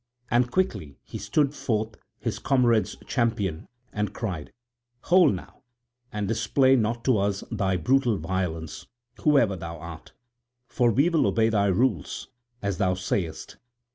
And quickly he stood forth his comrades' champion, and cried: "Hold now, and display not to us thy brutal violence, whoever thou art; for we will obey thy rules, as thou sayest.